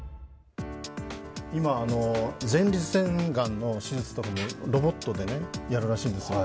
今、前立腺がんの手術とかもロボットでやるらしいんですよ。